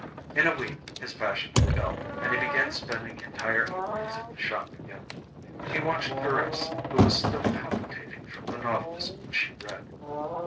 In a week his passions rebelled and he began spending entire evenings at the shop again. He watched Thérèse who was still palpitating from the novels which she read.